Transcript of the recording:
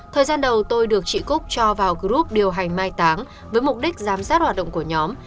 thời gian đầu tôi được chị cúc cho vào group điều hành mai táng với mục đích giám sát hoạt động của nhóm